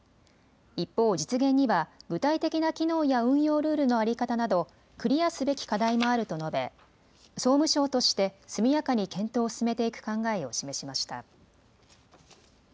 一方、実現には具体的な機能や運用ルールの在り方などクリアすべき課題もあると述べ、総務省として速やかに検討を進めていく考えを示しました。